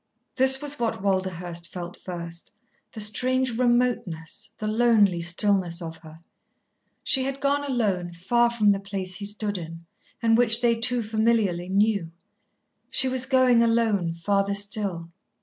This was what Walderhurst felt first, the strange remoteness, the lonely stillness of her. She had gone alone far from the place he stood in, and which they two familiarly knew. She was going, alone, farther still.